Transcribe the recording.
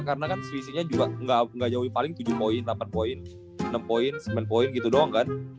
karna kan swissie nya juga ga jauhi paling tujuh point delapan point enam point sembilan point gitu doang kan